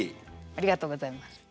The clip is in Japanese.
ありがとうございます。